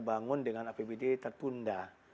bangun dengan apbd tertunda